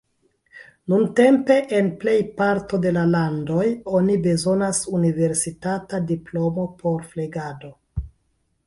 Nuntempe, en plejparto de la landoj, oni bezonas universitata diplomo por flegado.